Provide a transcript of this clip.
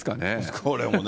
これもね。